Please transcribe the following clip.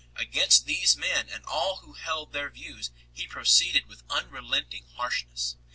Against these men and all who held their views he proceeded with unrelenting harshness.